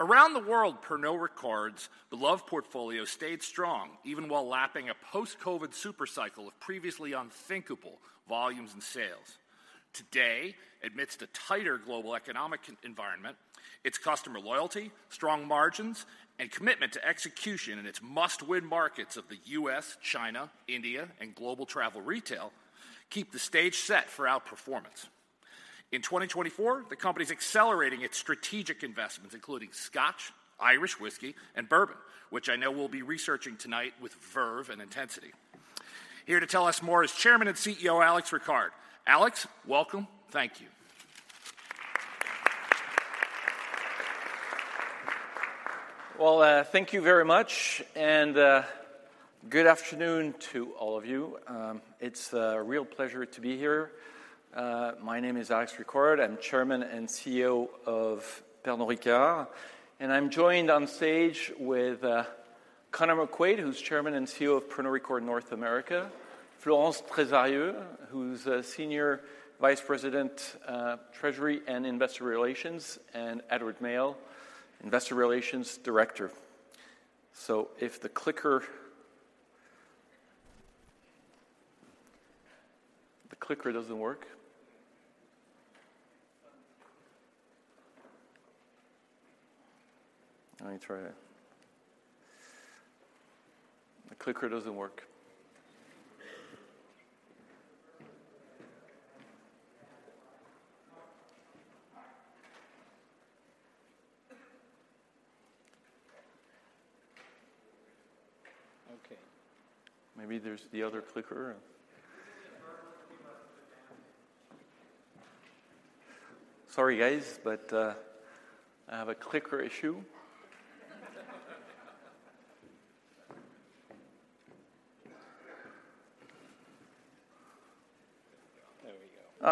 Around the world, Pernod Ricard's beloved portfolio stayed strong, even while lapping a post-COVID super cycle of previously unthinkable volumes and sales. Today, amidst a tighter global economic environment, its customer loyalty, strong margins, and commitment to execution in its must-win markets of the U.S., China, India, and global travel retail, keep the stage set for outperformance. In 2024, the company's accelerating its strategic investments, including Scotch, Irish whiskey, and bourbon, which I know we'll be researching tonight with verve and intensity. Here to tell us more is Chairman and CEO, Alex Ricard. Alex, welcome. Thank you. Well, thank you very much, and good afternoon to all of you. It's a real pleasure to be here. My name is Alex Ricard. I'm Chairman and CEO of Pernod Ricard, and I'm joined on stage with Conor McQuaid, who's Chairman and CEO of Pernod Ricard North America, Florence Tresarrieu, who's Senior Vice President, Treasury and Investor Relations, and Edward Mayle, Investor Relations Director. So if the clicker... The clicker doesn't work? Let me try it. The clicker doesn't work. Okay, maybe there's the other clicker.... Sorry, guys, but, I have a clicker issue.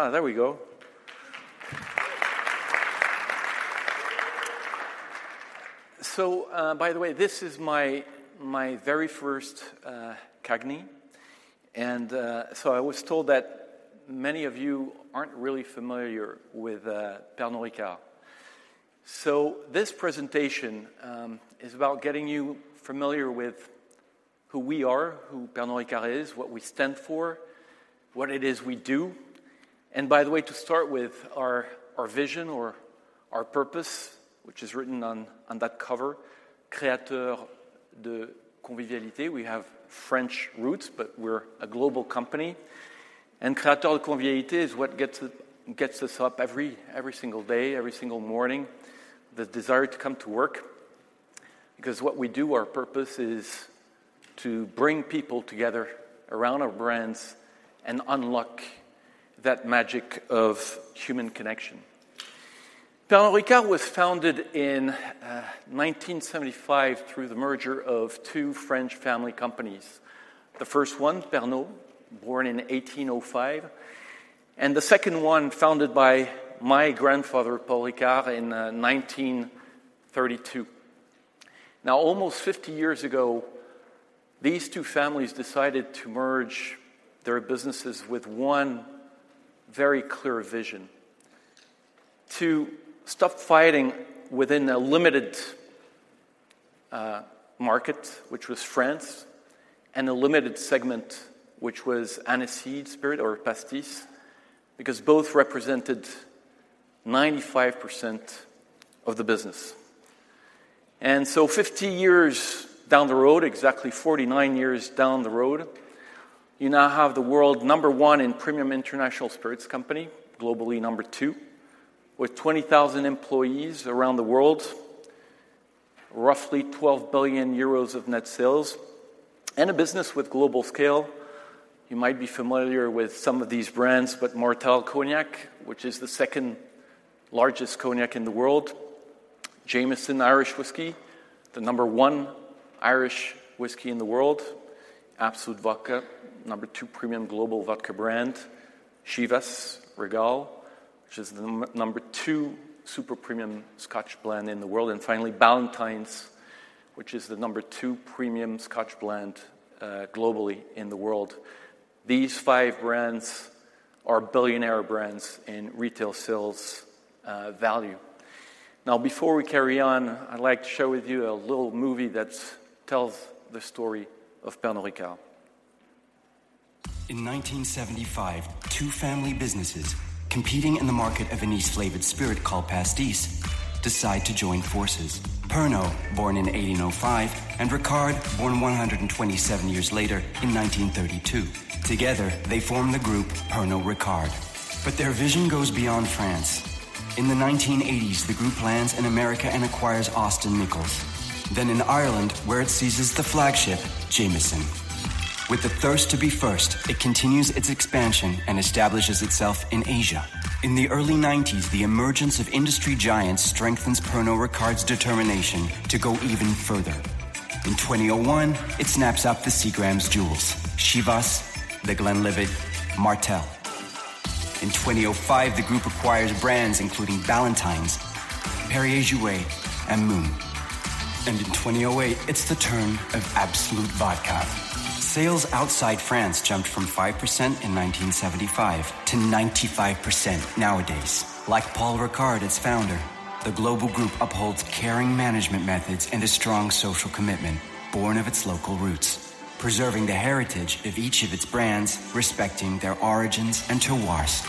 There we go. Ah, there we go. So, by the way, this is my, my very first, CAGNY, and, so I was told that many of you aren't really familiar with, Pernod Ricard. So this presentation, is about getting you familiar with who we are, who Pernod Ricard is, what we stand for, what it is we do. And by the way, to start with, our, our vision or our purpose, which is written on, on that cover, Créateurs de Convivialité. We have French roots, but we're a global company, and Créateurs de Convivialité is what gets, gets us up every, every single day, every single morning, the desire to come to work. Because what we do, our purpose is to bring people together around our brands and unlock that magic of human connection. Pernod Ricard was founded in 1975 through the merger of two French family companies. The first one, Pernod, born in 1805, and the second one, founded by my grandfather, Paul Ricard, in 1932. Now, almost 50 years ago, these two families decided to merge their businesses with one very clear vision: to stop fighting within a limited market, which was France, and a limited segment, which was aniseed spirit or pastis, because both represented 95% of the business. And so 50 years down the road, exactly 49 years down the road, you now have the world number one in premium international spirits company, globally number two, with 20,000 employees around the world, roughly 12 billion euros of net sales, and a business with global scale. You might be familiar with some of these brands, but Martell Cognac, which is the second largest cognac in the world, Jameson Irish Whiskey, the number 1 Irish whiskey in the world, Absolut Vodka, number 2 premium global vodka brand, Chivas Regal, which is the number 2 super premium Scotch blend in the world, and finally, Ballantine's, which is the number 2 premium Scotch blend globally in the world. These five brands are billionaire brands in retail sales value. Now, before we carry on, I'd like to share with you a little movie that tells the story of Pernod Ricard. In 1975, two family businesses competing in the market of anise-flavored spirit called pastis decide to join forces. Pernod, born in 1805, and Ricard, born 127 years later in 1932. Together, they form the group Pernod Ricard. But their vision goes beyond France. In the 1980s, the group lands in America and acquires Austin Nichols. Then in Ireland, where it seizes the flagship, Jameson. With the thirst to be first, it continues its expansion and establishes itself in Asia. In the early 1990s, the emergence of industry giants strengthens Pernod Ricard's determination to go even further. In 2001, it snaps up the Seagram's jewels: Chivas, The Glenlivet, Martell. In 2005, the group acquires brands including Ballantine's, Perrier-Jouët, and Mumm.... And in 2008, it's the turn of Absolut Vodka. Sales outside France jumped from 5% in 1975 to 95% nowadays. Like Paul Ricard, its founder, the global group upholds caring management methods and a strong social commitment, born of its local roots, preserving the heritage of each of its brands, respecting their origins and terroirs.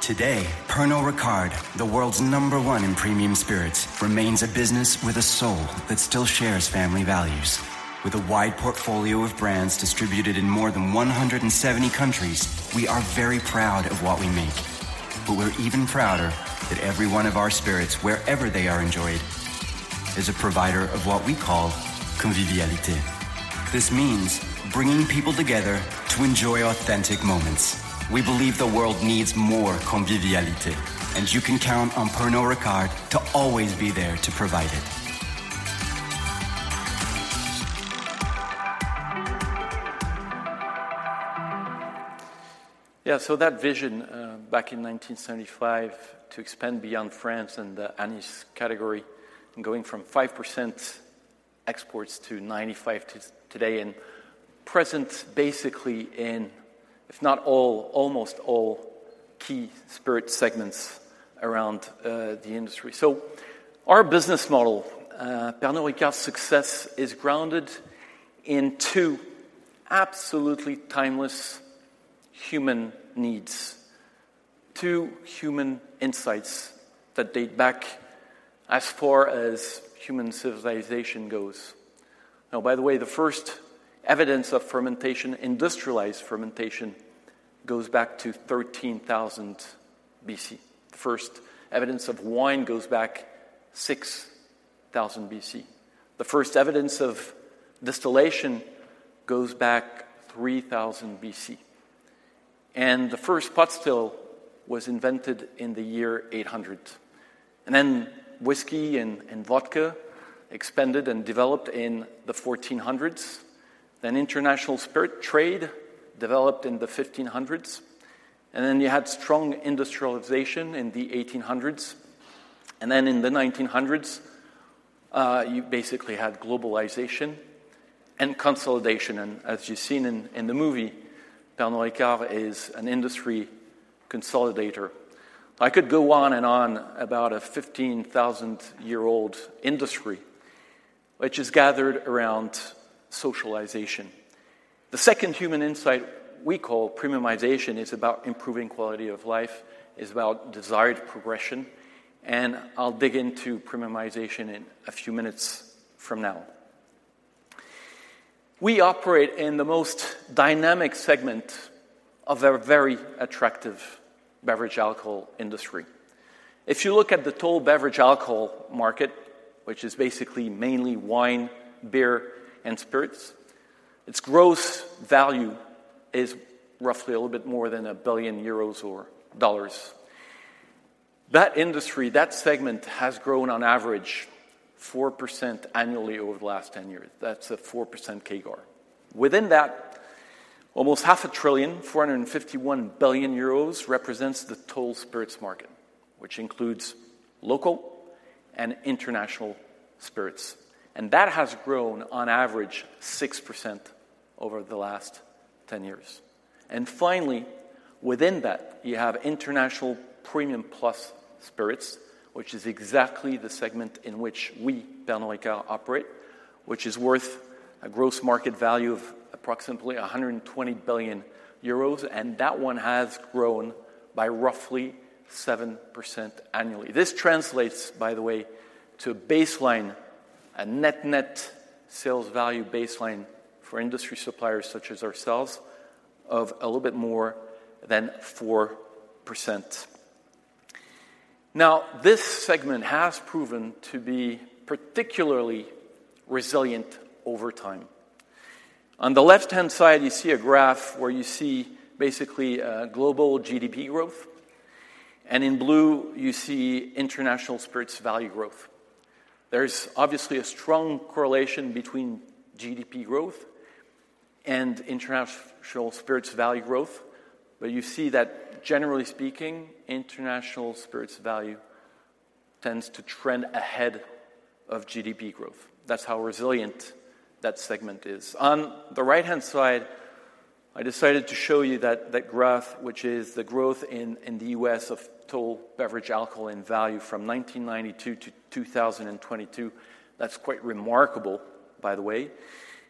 Today, Pernod Ricard, the world's number one in premium spirits, remains a business with a soul that still shares family values. With a wide portfolio of brands distributed in more than 170 countries, we are very proud of what we make, but we're even prouder that every one of our spirits, wherever they are enjoyed, is a provider of what we call Convivialité. This means bringing people together to enjoy authentic moments. We believe the world needs more Convivialité, and you can count on Pernod Ricard to always be there to provide it. Yeah, so that vision, back in 1975, to expand beyond France and the anise category, and going from 5% exports to 95% today, and present basically in, if not all, almost all key spirit segments around, the industry. So our business model, Pernod Ricard's success, is grounded in two absolutely timeless human needs. Two human insights that date back as far as human civilization goes. Now, by the way, the first evidence of fermentation, industrialized fermentation, goes back to 13,000 BC. First evidence of wine goes back 6,000 BC. The first evidence of distillation goes back 3,000 BC, and the first pot still was invented in the year 800. And then whiskey and vodka expanded and developed in the 1400s. Then international spirit trade developed in the 1500s, and then you had strong industrialization in the 1800s, and then in the 1900s, you basically had globalization and consolidation. And as you've seen in the movie, Pernod Ricard is an industry consolidator. I could go on and on about a 15,000-year-old industry, which is gathered around socialization. The second human insight we call Premiumization, is about improving quality of life, is about desired progression, and I'll dig into Premiumization in a few minutes from now. We operate in the most dynamic segment of a very attractive beverage alcohol industry. If you look at the total beverage alcohol market, which is basically mainly wine, beer, and spirits, its growth value is roughly a little bit more than 1 billion euros or $1 billion. That industry, that segment, has grown on average 4% annually over the last 10 years. That's a 4% CAGR. Within that, almost half a trillion, 451 billion euros, represents the total spirits market, which includes local and international spirits, and that has grown on average 6% over the last 10 years. Finally, within that, you have international premium plus spirits, which is exactly the segment in which we, Pernod Ricard, operate, which is worth a gross market value of approximately 120 billion euros, and that one has grown by roughly 7% annually. This translates, by the way, to a baseline, a net, net sales value baseline for industry suppliers, such as ourselves, of a little bit more than 4%. Now, this segment has proven to be particularly resilient over time. On the left-hand side, you see a graph where you see basically global GDP growth, and in blue, you see international spirits value growth. There's obviously a strong correlation between GDP growth and international spirits value growth, but you see that generally speaking, international spirits value tends to trend ahead of GDP growth. That's how resilient that segment is. On the right-hand side, I decided to show you that graph, which is the growth in the U.S. of total beverage alcohol in value from 1992 to 2022. That's quite remarkable, by the way.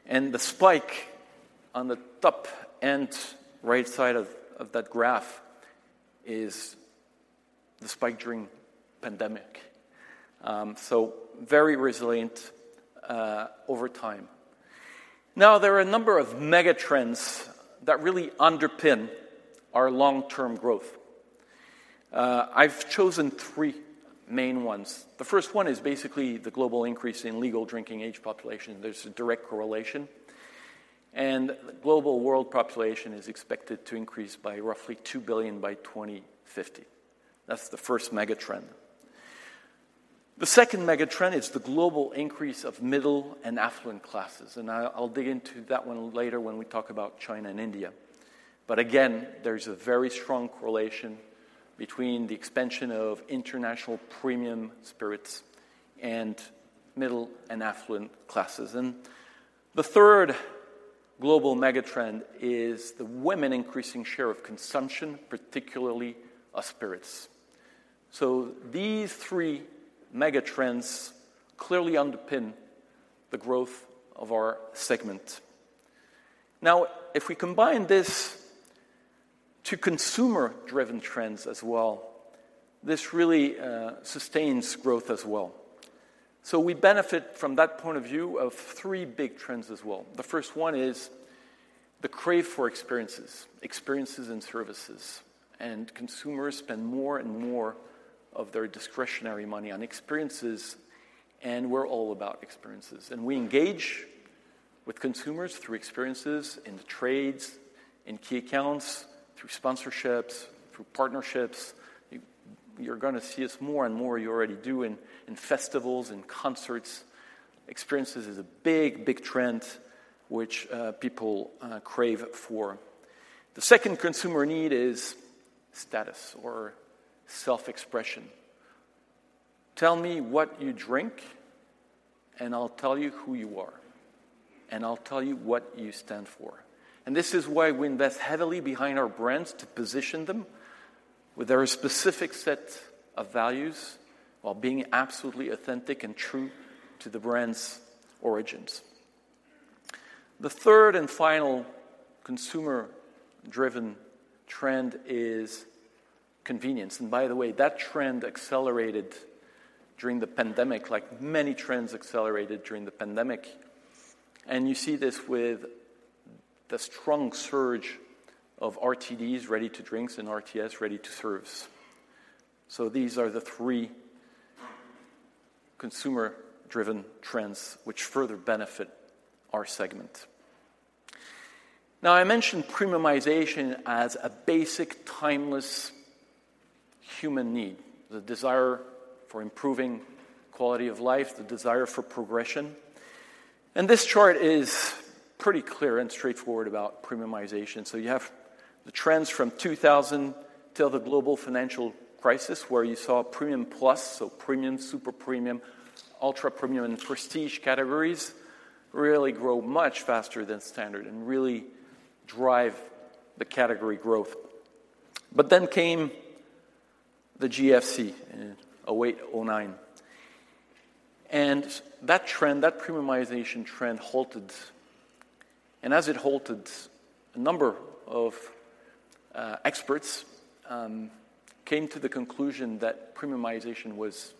The spike on the top end right side of that graph is the spike during pandemic. So very resilient over time. Now, there are a number of mega trends that really underpin our long-term growth. I've chosen three main ones. The first one is basically the global increase in legal drinking age population. There's a direct correlation, and global world population is expected to increase by roughly 2 billion by 2050. That's the first mega trend. The second mega trend is the global increase of middle and affluent classes, and I, I'll dig into that one later when we talk about China and India. But again, there's a very strong correlation between the expansion of international premium spirits and middle and affluent classes. And the third global mega trend is the women increasing share of consumption, particularly of spirits. So these three mega trends clearly underpin the growth of our segment. Now, if we combine this to consumer-driven trends as well, this really sustains growth as well. So we benefit from that point of view of three big trends as well. The first one is the crave for experiences, experiences and services, and consumers spend more and more of their discretionary money on experiences, and we're all about experiences. And we engage with consumers through experiences in the trades, in key accounts, through sponsorships, through partnerships. You, you're gonna see us more and more, you already do, in festivals and concerts. Experiences is a big, big trend which people crave for. The second consumer need is status or self-expression. Tell me what you drink, and I'll tell you who you are, and I'll tell you what you stand for. And this is why we invest heavily behind our brands to position them with their specific set of values, while being absolutely authentic and true to the brand's origins. The third and final consumer-driven trend is convenience. And by the way, that trend accelerated during the pandemic, like many trends accelerated during the pandemic. And you see this with the strong surge of RTDs, ready-to-drink, and RTS, ready-to-serve. So these are the three consumer-driven trends which further benefit our segment. Now, I mentioned premiumization as a basic, timeless human need, the desire for improving quality of life, the desire for progression. And this chart is pretty clear and straightforward about premiumization. So you have the trends from 2000 till the global financial crisis, where you saw premium plus, so premium, super premium, ultra-premium, and prestige categories really grow much faster than standard and really drive the category growth. But then came the GFC, 2008, 2009, and that trend, that premiumization trend halted. As it halted, a number of experts came to the conclusion that premiumization was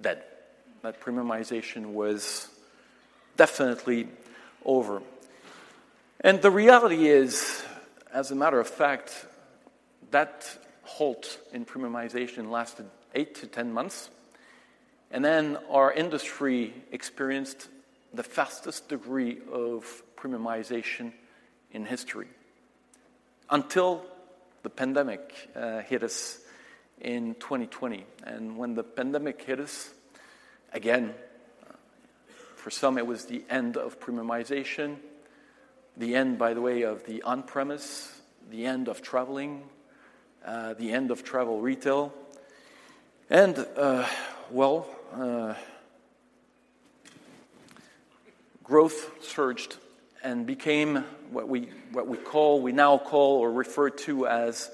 dead, that premiumization was definitely over. And the reality is, as a matter of fact, that halt in premiumization lasted 8-10 months, and then our industry experienced the fastest degree of premiumization in history until the pandemic hit us in 2020. And when the pandemic hit us, again, for some, it was the end of premiumization, the end, by the way, of the on-premise, the end of traveling, the end of travel retail. And, well, growth surged and became what we call, we now call or refer to as,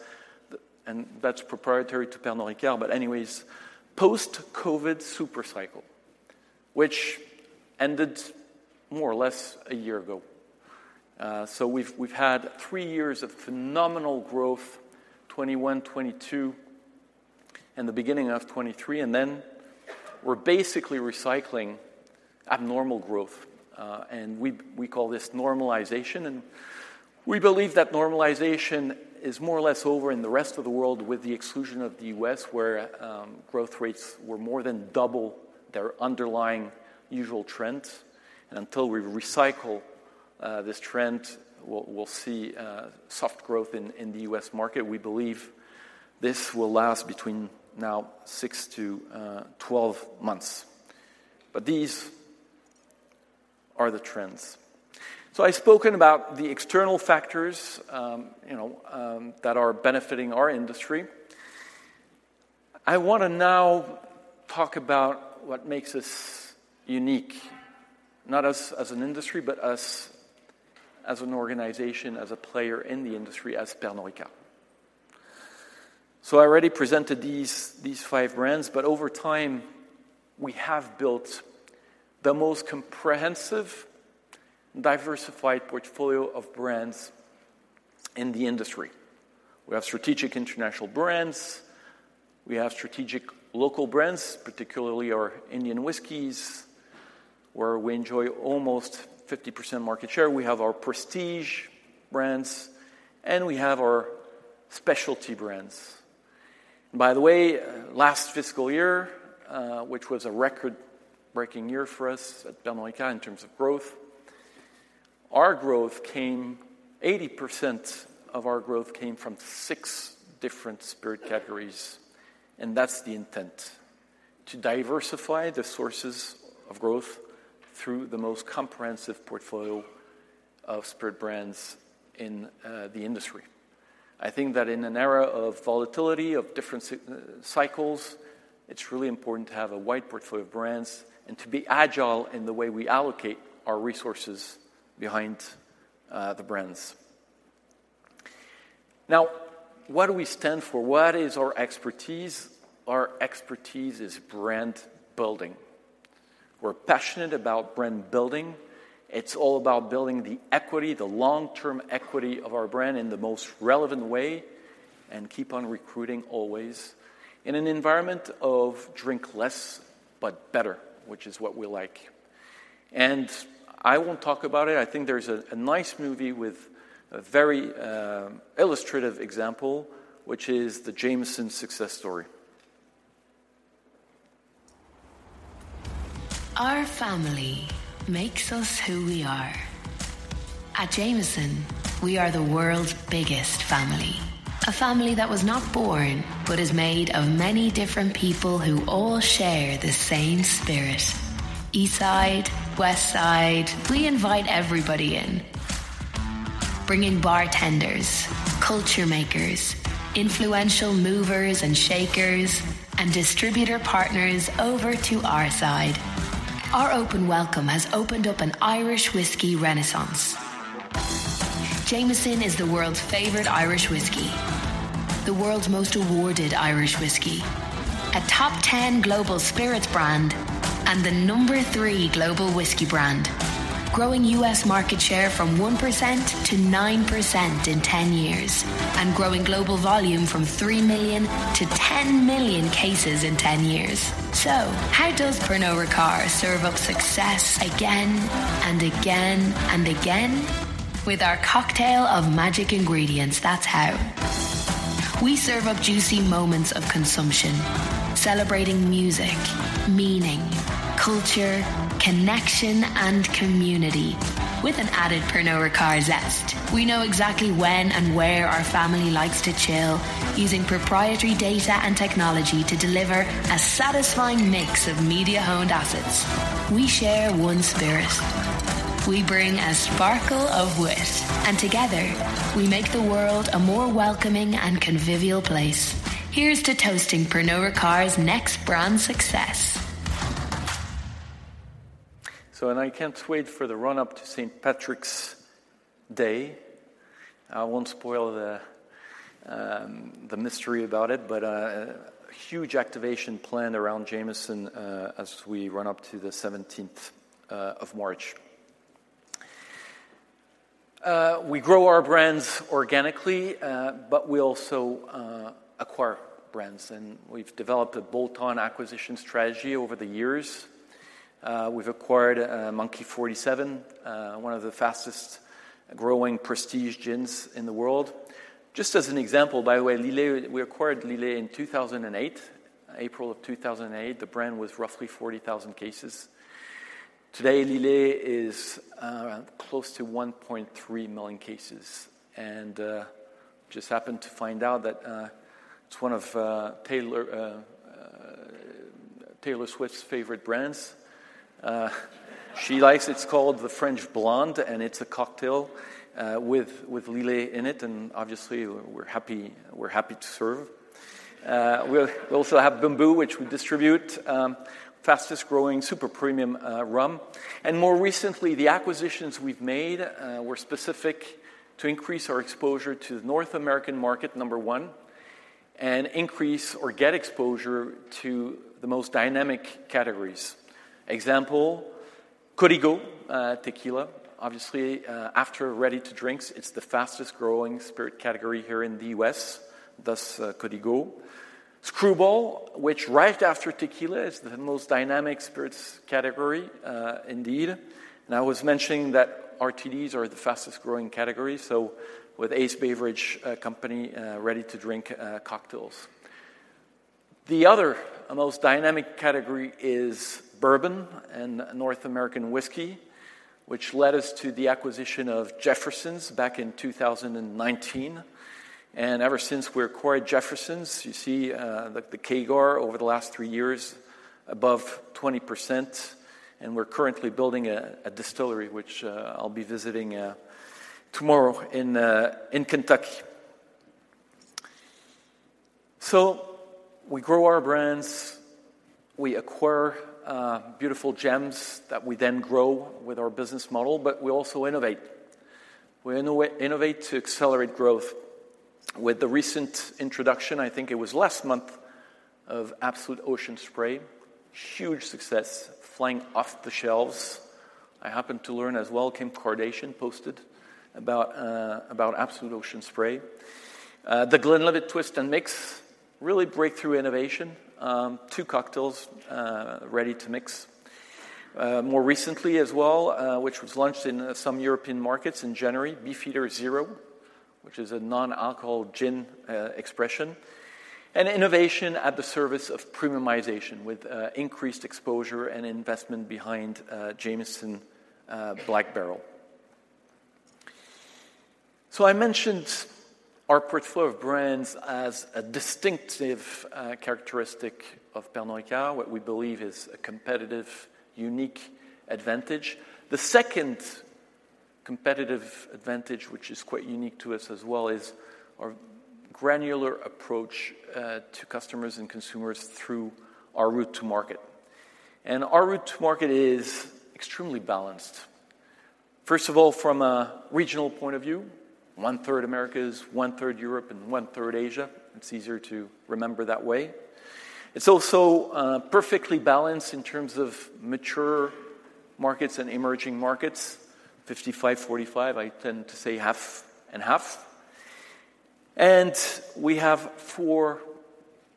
and that's proprietary to Pernod Ricard, but anyways, post-COVID super cycle, which ended more or less a year ago. So we've had three years of phenomenal growth, 2021, 2022, and the beginning of 2023, and then we're basically recycling abnormal growth, and we call this normalization. We believe that normalization is more or less over in the rest of the world, with the exclusion of the U.S., where growth rates were more than double their underlying usual trends. Until we recycle this trend, we'll see soft growth in the U.S. market. We believe this will last between now 6-12 months. These are the trends. I've spoken about the external factors, you know, that are benefiting our industry. I wanna now talk about what makes us unique, not as an industry, but as an organization, as a player in the industry, as Pernod Ricard. So I already presented these, these five brands, but over time, we have built the most comprehensive, diversified portfolio of brands in the industry. We have strategic international brands. We have strategic local brands, particularly our Indian whiskeys, where we enjoy almost 50% market share. We have our prestige brands, and we have our specialty brands. By the way, last fiscal year, which was a record-breaking year for us at Pernod Ricard in terms of growth, our growth came. 80% of our growth came from six different spirit categories, and that's the intent: to diversify the sources of growth through the most comprehensive portfolio of spirit brands in the industry. I think that in an era of volatility, of different cycles, it's really important to have a wide portfolio of brands and to be agile in the way we allocate our resources behind the brands. Now, what do we stand for? What is our expertise? Our expertise is brand building. We're passionate about brand building. It's all about building the equity, the long-term equity of our brand in the most relevant way, and keep on recruiting always in an environment of drink less, but better, which is what we like. And I won't talk about it. I think there's a nice movie with a very illustrative example, which is the Jameson success story. Our family makes us who we are. At Jameson, we are the world's biggest family. A family that was not born, but is made of many different people who all share the same spirit. East Side, West Side, we invite everybody in. Bringing bartenders, culture makers, influential movers and shakers, and distributor partners over to our side. Our open welcome has opened up an Irish whiskey renaissance. Jameson is the world's favorite Irish whiskey, the world's most awarded Irish whiskey, a top 10 global spirits brand, and the number 3 global whiskey brand. Growing U.S. market share from 1%-9% in 10 years, and growing global volume from 3 million-10 million cases in 10 years. So how does Pernod Ricard serve up success again, and again, and again? With our cocktail of magic ingredients, that's how. We serve up juicy moments of consumption, celebrating music, meaning, culture, connection, and community, with an added Pernod Ricard zest. We know exactly when and where our family likes to chill, using proprietary data and technology to deliver a satisfying mix of media-owned assets. We share one spirit. We bring a sparkle of wit, and together, we make the world a more welcoming and convivial place. Here's to toasting Pernod Ricard's next brand success. So I can't wait for the run-up to St. Patrick's Day. I won't spoil the mystery about it, but a huge activation plan around Jameson as we run up to the 17th of March. We grow our brands organically, but we also acquire brands, and we've developed a bolt-on acquisition strategy over the years. We've acquired Monkey 47, one of the fastest-growing prestige gins in the world. Just as an example, by the way, Lillet, we acquired Lillet in 2008. April of 2008, the brand was roughly 40,000 cases. Today, Lillet is close to 1.3 million cases, and just happened to find out that it's one of Taylor Swift's favorite brands. She likes... It's called the French Blonde, and it's a cocktail with Lillet in it, and obviously, we're happy, we're happy to serve. We also have Bumbu, which we distribute, fastest-growing super premium rum. And more recently, the acquisitions we've made were specific to increase our exposure to the North American market, number one, and increase or get exposure to the most dynamic categories. Example, Código tequila. Obviously, after ready-to-drinks, it's the fastest-growing spirit category here in the U.S., thus Código. Skrewball, which right after tequila is the most dynamic spirits category, indeed. And I was mentioning that RTDs are the fastest-growing category, so with Ace Beverage Company ready-to-drink cocktails. The other most dynamic category is bourbon and North American whiskey, which led us to the acquisition of Jefferson's back in 2019. Ever since we acquired Jefferson's, you see, the CAGR over the last three years above 20%, and we're currently building a distillery, which I'll be visiting tomorrow in Kentucky. So we grow our brands, we acquire beautiful gems that we then grow with our business model, but we also innovate. We innovate to accelerate growth. With the recent introduction, I think it was last month, of Absolut Ocean Spray, huge success, flying off the shelves. I happened to learn as well, Kim Kardashian posted about Absolut Ocean Spray. The Glenlivet Twist & Mix, really breakthrough innovation, two cocktails ready to mix. More recently as well, which was launched in some European markets in January, Beefeater Zero, which is a non-alcohol gin expression. Innovation at the service of premiumization, with increased exposure and investment behind Jameson Black Barrel. So I mentioned our portfolio of brands as a distinctive characteristic of Pernod Ricard, what we believe is a competitive, unique advantage. The second competitive advantage, which is quite unique to us as well, is our granular approach to customers and consumers through our route to market. Our route to market is extremely balanced. First of all, from a regional point of view, one-third Americas, one-third Europe, and one-third Asia. It's easier to remember that way. It's also perfectly balanced in terms of mature markets and emerging markets. 55, 45, I tend to say half and half. We have four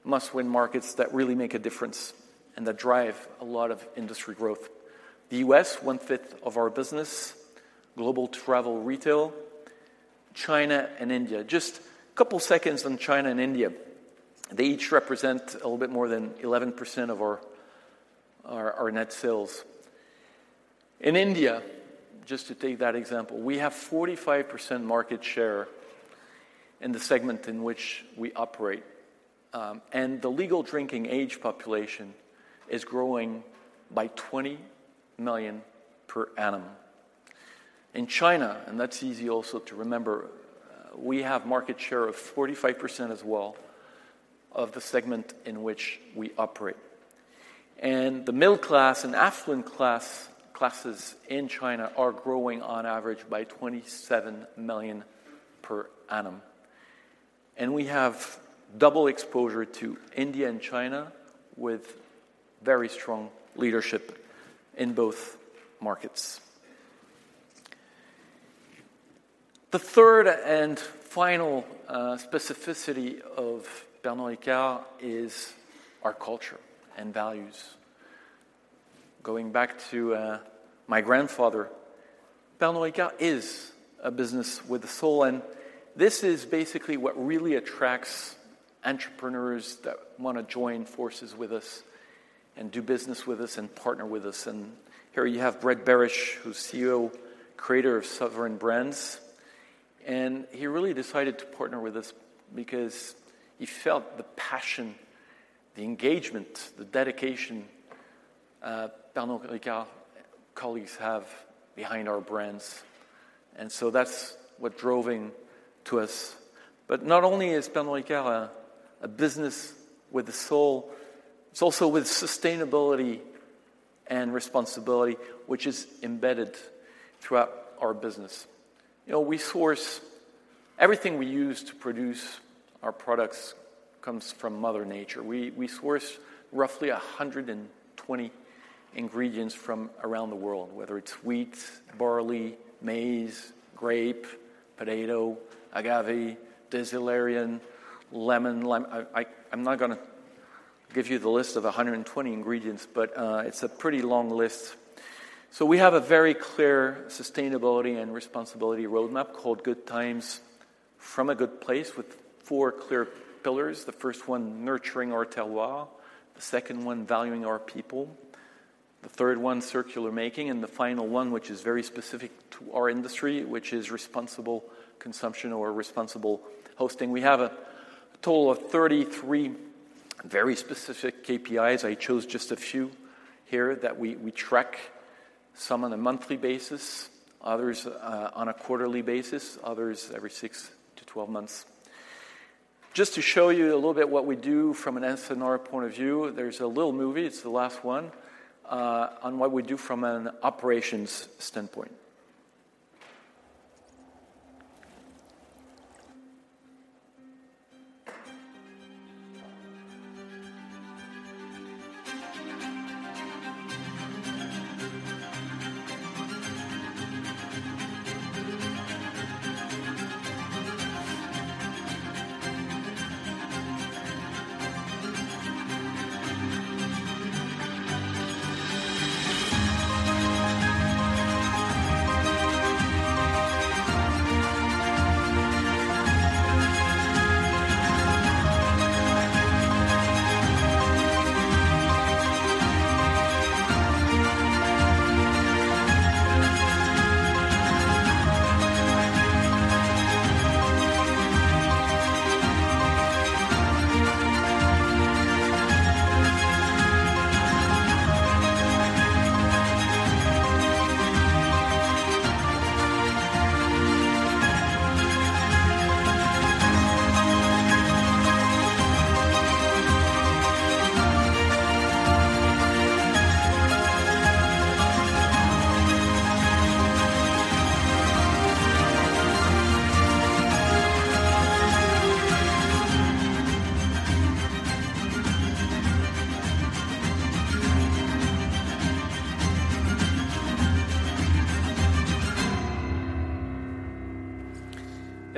must-win markets that really make a difference and that drive a lot of industry growth. The U.S., one-fifth of our business, global travel retail, China, and India. Just a couple seconds on China and India. They each represent a little bit more than 11% of our net sales. In India, just to take that example, we have 45% market share in the segment in which we operate, and the legal drinking age population is growing by 20 million per annum. In China, and that's easy also to remember, we have market share of 45% as well of the segment in which we operate. And the middle class and affluent classes in China are growing on average by 27 million per annum. And we have double exposure to India and China, with very strong leadership in both markets. The third and final specificity of Pernod Ricard is our culture and values. Going back to my grandfather, Pernod Ricard is a business with a soul, and this is basically what really attracts entrepreneurs that wanna join forces with us and do business with us and partner with us. And here you have Brett Berish, who's CEO, creator of Sovereign Brands, and he really decided to partner with us because he felt the passion, the engagement, the dedication Pernod Ricard colleagues have behind our brands. And so that's what drove him to us. But not only is Pernod Ricard a business with a soul, it's also with sustainability and responsibility, which is embedded throughout our business. You know, we source everything we use to produce our products comes from Mother Nature. We source roughly 120 ingredients from around the world, whether it's wheat, barley, maize, grape, potato, agave, dasylirion, lemon, lime... I'm not gonna give you the list of 120 ingredients, but it's a pretty long list. So we have a very clear sustainability and responsibility roadmap called Good Times from a Good Place, with four clear pillars. The first one, nurturing our terroir. The second one, valuing our people. The third one, circular making, and the final one, which is very specific to our industry, which is responsible consumption or responsible hosting. We have a total of 33 very specific KPIs. I chose just a few here that we track, some on a monthly basis, others on a quarterly basis, others every 6-12 months. Just to show you a little bit what we do from an S&R point of view, there's a little movie, it's the last one, on what we do from an operations standpoint.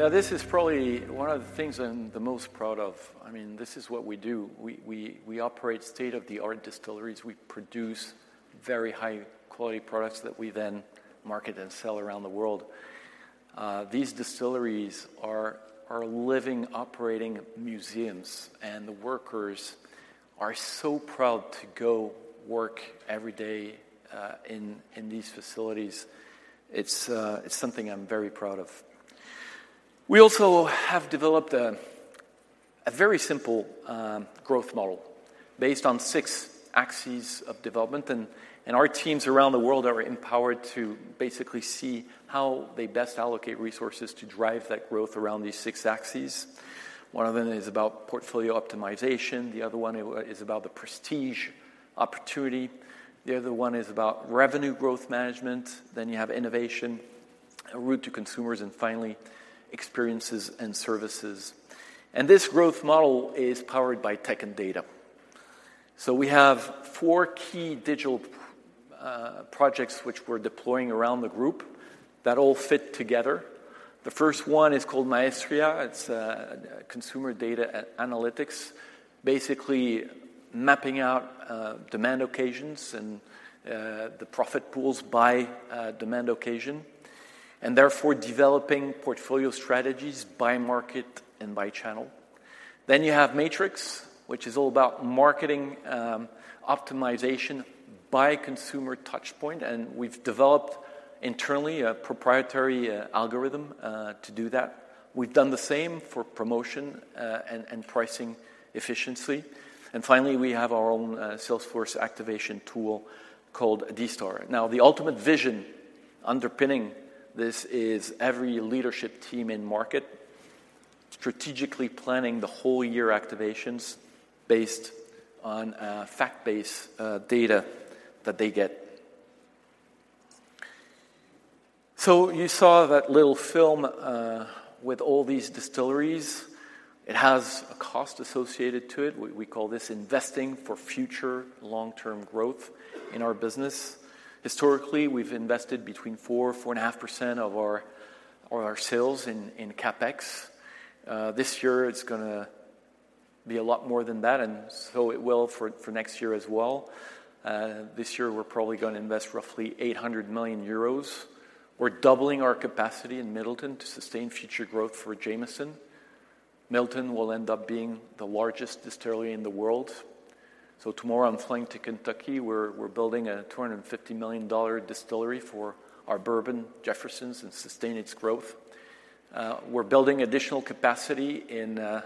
Yeah, this is probably one of the things I'm the most proud of. I mean, this is what we do. We operate state-of-the-art distilleries. We produce very high-quality products that we then market and sell around the world. These distilleries are living, operating museums, and the workers are so proud to go work every day in these facilities. It's something I'm very proud of. We also have developed a very simple growth model based on six axes of development, and our teams around the world are empowered to basically see how they best allocate resources to drive that growth around these six axes. One of them is about portfolio optimization, the other one is about the prestige opportunity. The other one is about revenue growth management. Then you have innovation, a route to consumers, and finally, experiences and services. And this growth model is powered by tech and data. So we have four key digital projects which we're deploying around the group that all fit together. The first one is called Maestria. It's consumer data analytics, basically mapping out demand occasions and the profit pools by demand occasion, and therefore, developing portfolio strategies by market and by channel. Then you have Matrix, which is all about marketing optimization by consumer touch point, and we've developed internally a proprietary algorithm to do that. We've done the same for promotion and pricing efficiency. And finally, we have our own sales force activation tool called D-Star. Now, the ultimate vision underpinning this is every leadership team in market strategically planning the whole year activations based on, fact-based, data that they get. So you saw that little film, with all these distilleries. It has a cost associated to it. We call this investing for future long-term growth in our business. Historically, we've invested between 4%-4.5% of our sales in CapEx. This year it's gonna be a lot more than that, and so it will for next year as well. This year, we're probably gonna invest roughly 800 million euros. We're doubling our capacity in Midleton to sustain future growth for Jameson. Midleton will end up being the largest distillery in the world. So tomorrow, I'm flying to Kentucky, where we're building a $250 million distillery for our bourbon, Jefferson's, and sustain its growth. We're building additional capacity in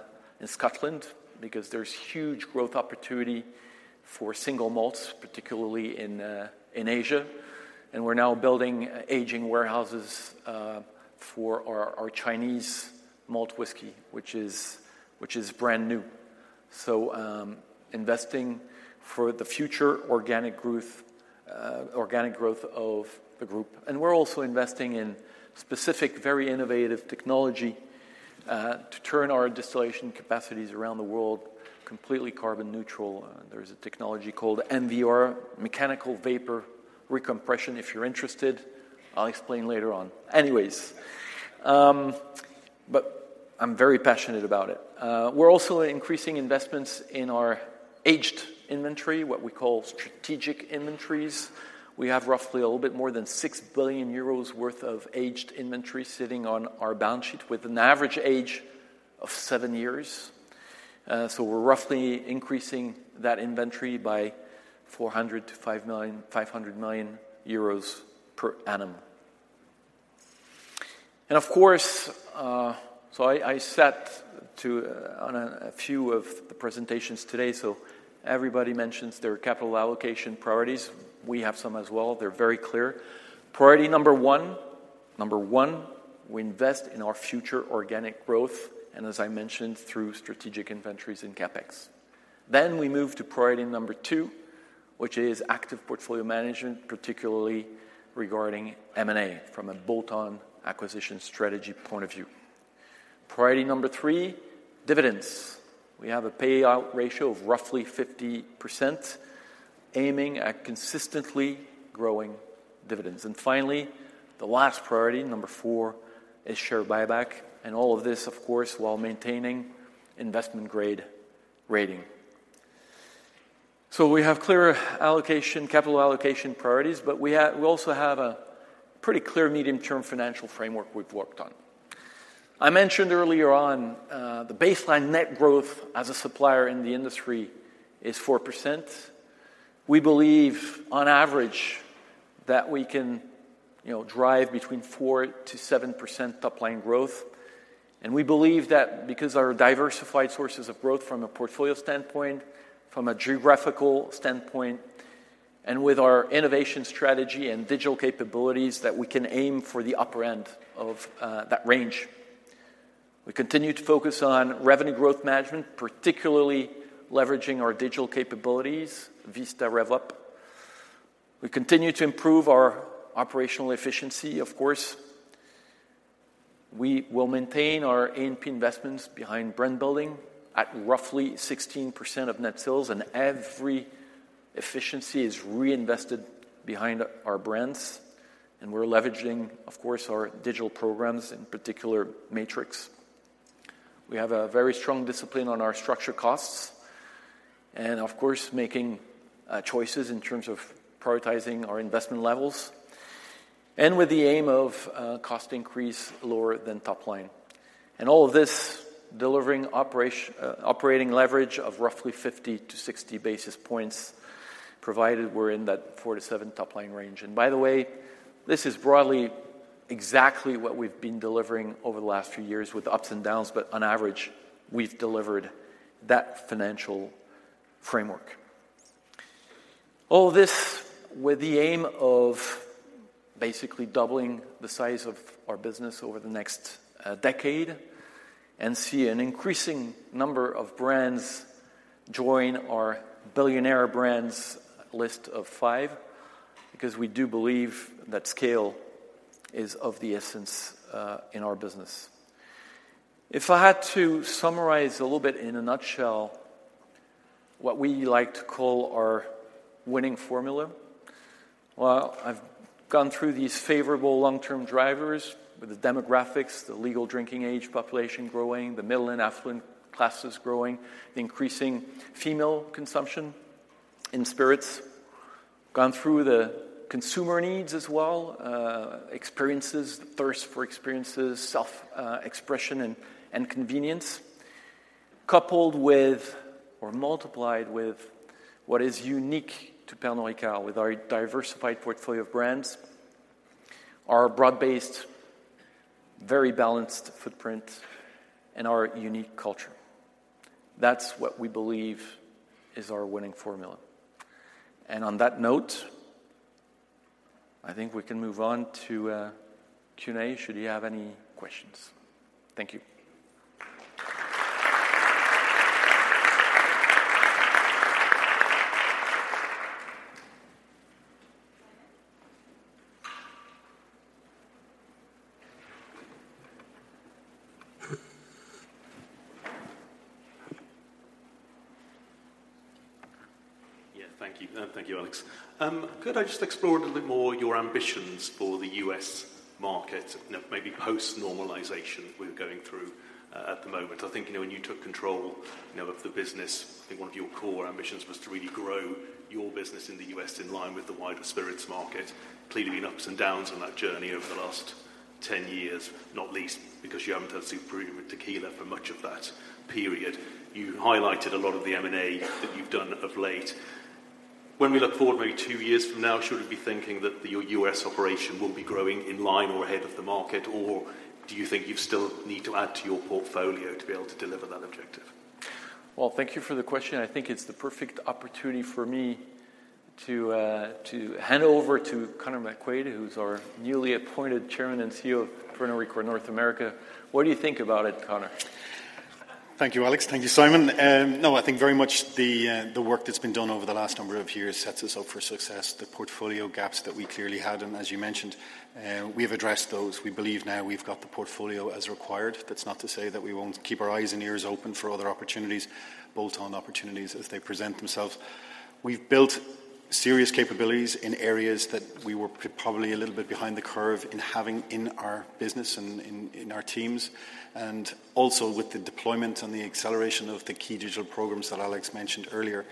Scotland because there's huge growth opportunity for single malts, particularly in Asia. And we're now building aging warehouses for our Chinese malt whiskey, which is brand new. So, investing for the future organic growth of the group. And we're also investing in specific, very innovative technology to turn our distillation capacities around the world completely carbon neutral. There is a technology called MVR, Mechanical Vapor Recompression. If you're interested, I'll explain later on. Anyways, but I'm very passionate about it. We're also increasing investments in our aged inventory, what we call strategic inventories. We have roughly a little bit more than 6 billion euros worth of aged inventory sitting on our balance sheet with an average age of 7 years. So we're roughly increasing that inventory by 400 million-500 million euros per annum. Of course, I sat in on a few of the presentations today, so everybody mentions their capital allocation priorities. We have some as well. They're very clear. Priority number 1, number 1, we invest in our future organic growth, and as I mentioned, through strategic inventories in CapEx. Then we move to priority number 2, which is active portfolio management, particularly regarding M&A, from a bolt-on acquisition strategy point of view. Priority number 3, dividends. We have a payout ratio of roughly 50%, aiming at consistently growing dividends. And finally, the last priority, number 4, is share buyback, and all of this, of course, while maintaining investment grade rating. So we have clear allocation, capital allocation priorities, but we also have a pretty clear medium-term financial framework we've worked on. I mentioned earlier on, the baseline net growth as a supplier in the industry is 4%. We believe on average, that we can, you know, drive between 4%-7% top-line growth. And we believe that because our diversified sources of growth from a portfolio standpoint, from a geographical standpoint, and with our innovation strategy and digital capabilities, that we can aim for the upper end of, that range. We continue to focus on revenue growth management, particularly leveraging our digital capabilities, Vista RevUp. We continue to improve our operational efficiency, of course. We will maintain our A&P investments behind brand building at roughly 16% of net sales, and every efficiency is reinvested behind our brands, and we're leveraging, of course, our digital programs, in particular, Matrix. We have a very strong discipline on our structure costs, and of course, making choices in terms of prioritizing our investment levels, and with the aim of cost increase lower than top line. All of this delivering operating leverage of roughly 50-60 basis points, provided we're in that 4-7 top line range. By the way, this is broadly exactly what we've been delivering over the last few years with ups and downs, but on average, we've delivered that financial framework. All this with the aim of basically doubling the size of our business over the next decade, and see an increasing number of brands join our billionaire brands list of five, because we do believe that scale is of the essence in our business. If I had to summarize a little bit in a nutshell, what we like to call our winning formula. Well, I've gone through these favorable long-term drivers, with the demographics, the legal drinking age population growing, the middle and affluent classes growing, increasing female consumption in spirits. Gone through the consumer needs as well, experiences, thirst for experiences, self expression, and, and convenience, coupled with or multiplied with what is unique to Pernod Ricard, with our diversified portfolio of brands, our broad-based, very balanced footprint, and our unique culture. That's what we believe is our winning formula. On that note, I think we can move on to Q&A, should you have any questions. Thank you. Yeah, thank you. Thank you, Alex. Could I just explore a little bit more your ambitions for the US market, you know, maybe post-normalization we're going through at the moment? I think, you know, when you took control, you know, of the business, I think one of your core ambitions was to really grow your business in the US in line with the wider spirits market. Clearly, been ups and downs on that journey over the last 10 years, not least because you haven't had super premium tequila for much of that period. You highlighted a lot of the M&A that you've done of late. When we look forward maybe 2 years from now, should we be thinking that the- your US operation will be growing in line or ahead of the market? Or do you think you still need to add to your portfolio to be able to deliver that objective? Well, thank you for the question. I think it's the perfect opportunity for me to to hand over to Conor McQuaid, who's our newly appointed Chairman and CEO of Pernod Ricard North America. What do you think about it, Conor? Thank you, Alex. Thank you, Simon. No, I think very much the work that's been done over the last number of years sets us up for success. The portfolio gaps that we clearly had, and as you mentioned, we have addressed those. We believe now we've got the portfolio as required. That's not to say that we won't keep our eyes and ears open for other opportunities, bolt-on opportunities, as they present themselves. We've built serious capabilities in areas that we were probably a little bit behind the curve in having in our business and in our teams, and also with the deployment and the acceleration of the key digital programs that Alex mentioned earlier.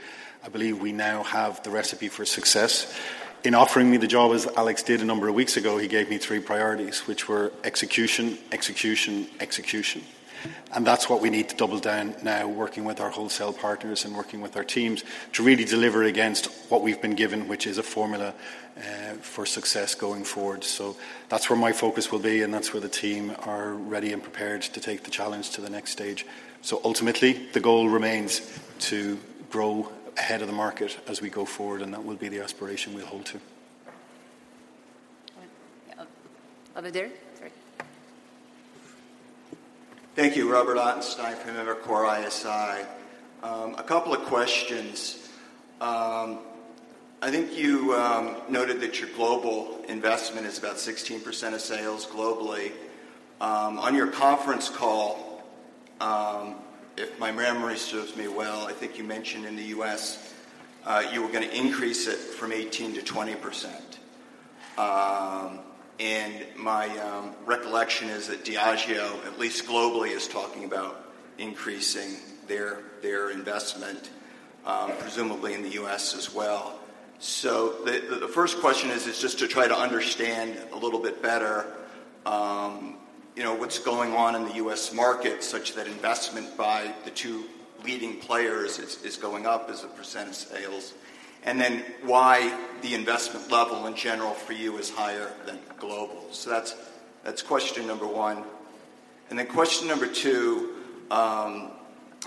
I believe we now have the recipe for success. In offering me the job, as Alex did a number of weeks ago, he gave me three priorities, which were execution, execution, execution. And that's what we need to double down now, working with our wholesale partners and working with our teams to really deliver against what we've been given, which is a formula, for success going forward. So that's where my focus will be, and that's where the team are ready and prepared to take the challenge to the next stage. So ultimately, the goal remains to grow ahead of the market as we go forward, and that will be the aspiration we'll hold to. Over there? Sorry. Thank you. Robert Ottenstein from Evercore ISI. A couple of questions. I think you noted that your global investment is about 16% of sales globally. On your conference call, if my memory serves me well, I think you mentioned in the U.S., you were gonna increase it from 18%-20%. And my recollection is that Diageo, at least globally, is talking about increasing their investment, presumably in the U.S. as well. So the first question is just to try to understand a little bit better, you know, what's going on in the U.S. market, such that investment by the two leading players is going up as a % of sales? And then, why the investment level in general for you is higher than global? So that's question number one. And then question number two, I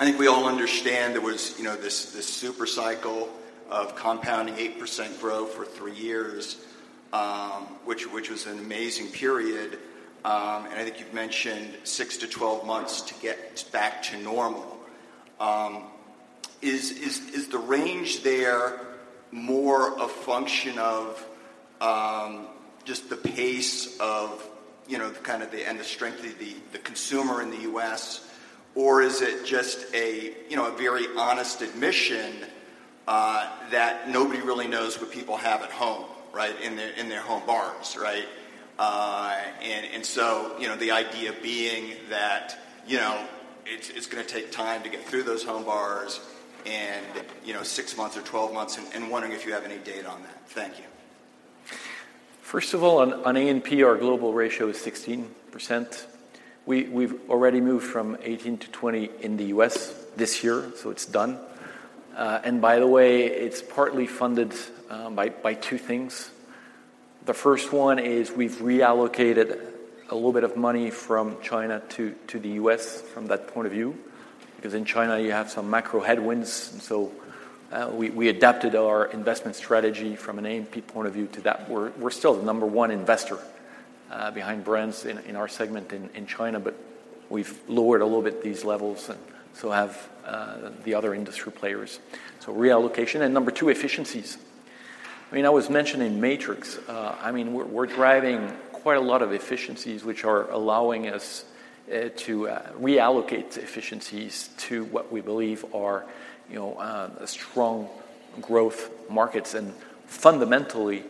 think we all understand there was, you know, this super cycle of compounding 8% growth for 3 years, which was an amazing period. And I think you've mentioned 6-12 months to get back to normal. Is the range there more a function of just the pace of, you know, kind of the... and the strength of the consumer in the U.S.? Or is it just a, you know, a very honest admission that nobody really knows what people have at home, right? In their home bars, right?... and so, you know, the idea being that, you know, it's gonna take time to get through those home bars and, you know, 6 months or 12 months, and wondering if you have any data on that. Thank you. First of all, on A&P, our global ratio is 16%. We've already moved from 18%-20% in the US this year, so it's done. And by the way, it's partly funded by two things. The first one is we've reallocated a little bit of money from China to the US from that point of view, because in China, you have some macro headwinds. And so, we adapted our investment strategy from an A&P point of view to that. We're still the number one investor behind brands in our segment in China, but we've lowered a little bit these levels, and so have the other industry players. So reallocation. And number two, efficiencies. I mean, I was mentioning Matrix. I mean, we're driving quite a lot of efficiencies, which are allowing us to reallocate efficiencies to what we believe are, you know, strong growth markets. And fundamentally,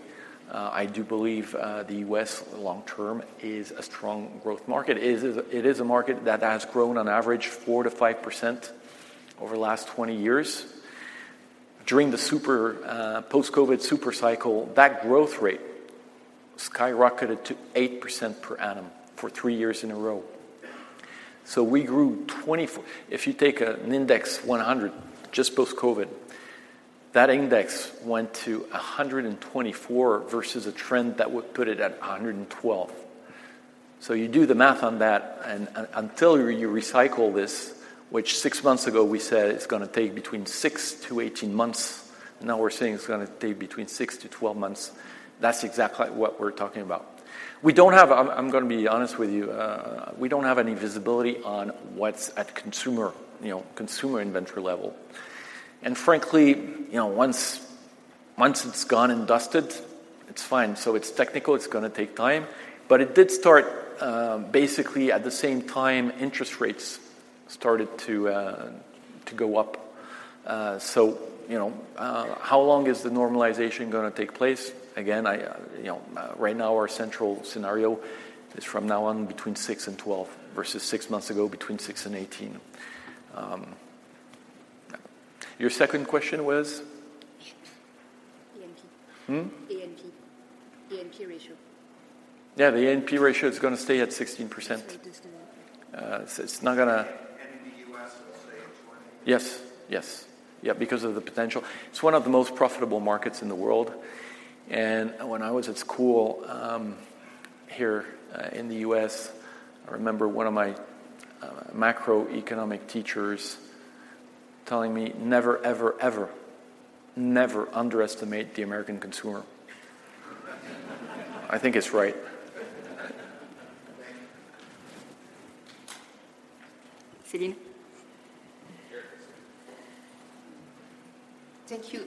I do believe the U.S. long term is a strong growth market. It is a market that has grown on average 4%-5% over the last 20 years. During the super post-COVID super cycle, that growth rate skyrocketed to 8% per annum for 3 years in a row. So if you take an index 100, just post-COVID, that index went to 124 versus a trend that would put it at 112. So you do the math on that, and until you recycle this, which six months ago, we said it's gonna take between 6-18 months. Now we're saying it's gonna take between 6-12 months. That's exactly what we're talking about. We don't have any visibility on what's at consumer, you know, consumer inventory level. I'm gonna be honest with you, we don't have any visibility on what's at consumer, you know, consumer inventory level. And frankly, you know, once it's gone and dusted, it's fine. So it's technical, it's gonna take time, but it did start basically at the same time interest rates started to go up. So, you know, how long is the normalization gonna take place? Again, I, you know, right now, our central scenario is from now on, between 6-12, versus 6 months ago, between 6-18. Your second question was? A&P. Hmm? A&P. A&P ratio. Yeah, the A&P ratio is gonna stay at 16%. Stay at 16. So it's not gonna- The U.S. will stay at 20? Yes, yes. Yeah, because of the potential. It's one of the most profitable markets in the world. When I was at school here in the U.S., I remember one of my macroeconomic teachers telling me, "Never, ever, ever, never underestimate the American consumer." I think it's right. Thank you. Céline? Thank you.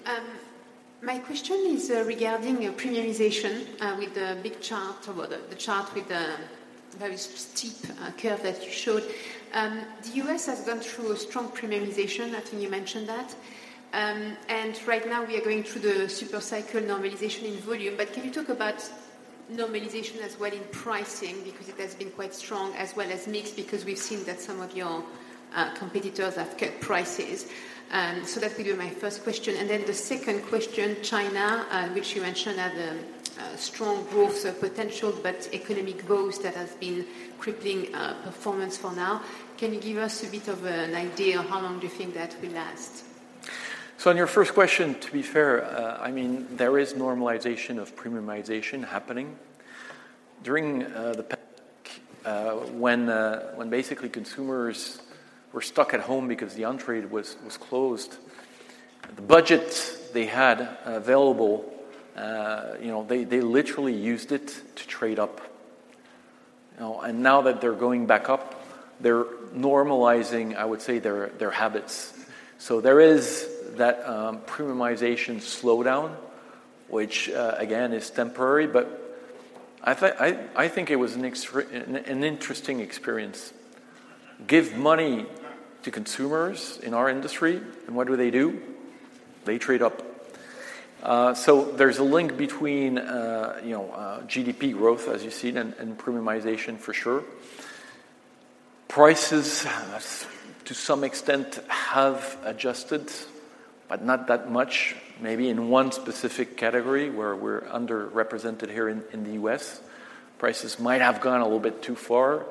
My question is regarding premiumization with the big chart or the chart with the very steep curve that you showed. The U.S. has gone through a strong premiumization. I think you mentioned that. And right now, we are going through the super cycle normalization in volume. But can you talk about normalization as well in pricing? Because it has been quite strong, as well as mix, because we've seen that some of your competitors have cut prices. So that will be my first question. And then the second question, China, which you mentioned, have a strong growth potential, but economic growth that has been crippling performance for now. Can you give us a bit of an idea of how long do you think that will last? So on your first question, to be fair, I mean, there is normalization of premiumization happening. During the pandemic, when basically consumers were stuck at home because the on-trade was closed, the budgets they had available, you know, they literally used it to trade up. You know, and now that they're going back up, they're normalizing, I would say, their habits. So there is that, premiumization slowdown, which, again, is temporary, but I think it was an interesting experience. Give money to consumers in our industry, and what do they do? They trade up. So there's a link between, you know, GDP growth, as you've seen, and premiumization, for sure. Prices, to some extent, have adjusted, but not that much. Maybe in one specific category where we're underrepresented here in the US, prices might have gone a little bit too far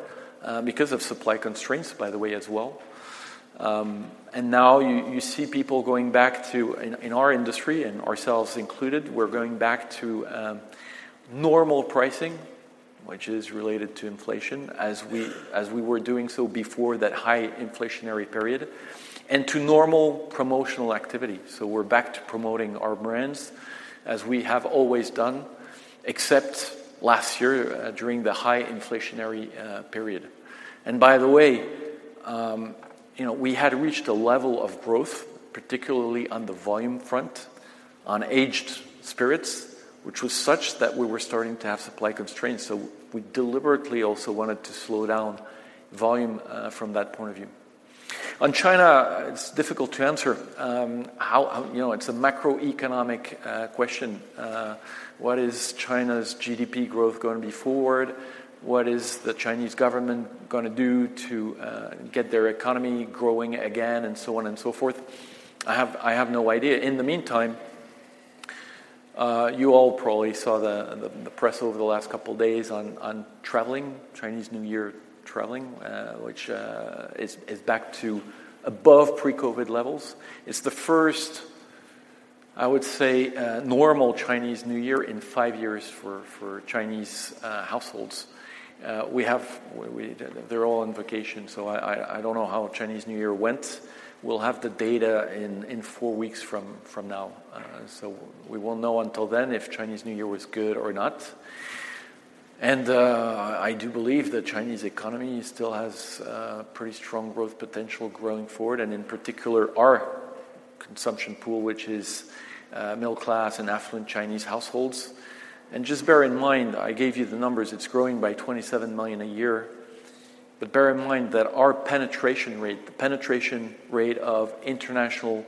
because of supply constraints, by the way, as well. And now you see people going back to in our industry, and ourselves included, we're going back to normal pricing, which is related to inflation, as we were doing so before that high inflationary period, and to normal promotional activity. So we're back to promoting our brands, as we have always done, except last year during the high inflationary period. And by the way, you know, we had reached a level of growth, particularly on the volume front, on aged spirits, which was such that we were starting to have supply constraints. So we deliberately also wanted to slow down volume from that point of view. On China, it's difficult to answer. You know, it's a macroeconomic question. What is China's GDP growth gonna be forward? What is the Chinese government gonna do to get their economy growing again, and so on and so forth? I have no idea. In the meantime, you all probably saw the press over the last couple of days on traveling, Chinese New Year traveling, which is back to above pre-COVID levels. It's the first, I would say, normal Chinese New Year in five years for Chinese households. We, they're all on vacation, so I don't know how Chinese New Year went. We'll have the data in four weeks from now, so we won't know until then if Chinese New Year was good or not. I do believe the Chinese economy still has pretty strong growth potential going forward, and in particular, our consumption pool, which is middle class and affluent Chinese households. And just bear in mind, I gave you the numbers, it's growing by 27 million a year. But bear in mind that our penetration rate, the penetration rate of international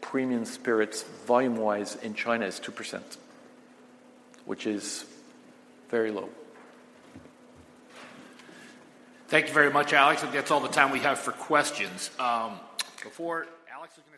premium spirits, volume-wise, in China is 2%, which is very low. Thank you very much, Alex. That's all the time we have for questions. Before, Alex is gonna say a few words about-